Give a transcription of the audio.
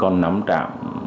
còn nắm trạm